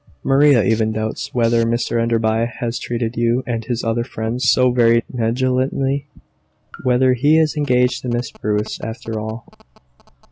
Maria even doubts whether Mr Enderby has treated you and his other friends so very negligently whether he is engaged to Miss Bruce, after all."